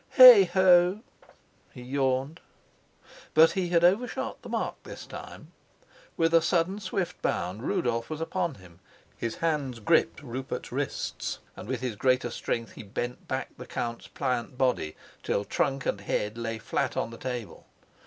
"Heigho!" he yawned. But he had overshot the mark this time. With a sudden swift bound Rudolf was upon him; his hands gripped Rupert's wrists, and with his greater strength he bent back the count's pliant body till trunk and head lay flat on the table.